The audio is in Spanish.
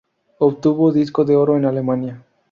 Obtuvo disco de oro en Alemania.